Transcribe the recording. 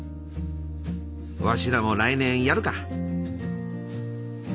わしらも来年やるか！